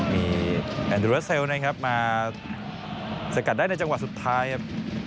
มีแอนดิวราเซลนะครับมาสกัดได้ในจังหวะสุดท้ายครับ